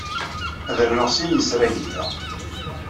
Ad rnuɣ sin n yisragen da.